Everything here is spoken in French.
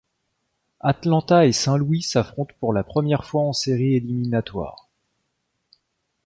Atlanta et Saint-Louis s'affrontent pour la première fois en séries éliminatoires.